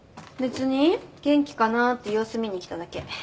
元気かなって様子見に来ただけ。